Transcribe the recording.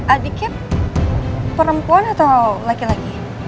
adiknya perempuan atau laki laki